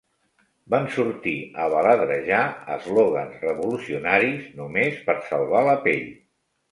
Van sortir a baladrejar eslògans revolucionaris només per salvar la pell.